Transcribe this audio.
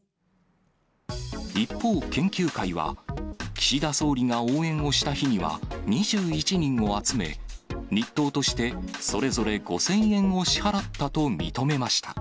一方、研究会は、岸田総理が応援をした日には、２１人を集め、日当としてそれぞれ５０００円を支払ったと認めました。